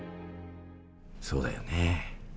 そうだよね。